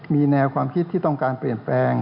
มีแนวความคิดที่ต้องการเปลี่ยนแปลง